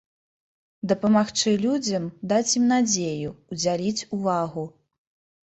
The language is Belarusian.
Дапамагчы людзям, даць ім надзею, удзяліць увагу.